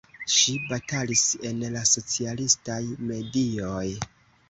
Ŝi batalis en la socialistaj medioj.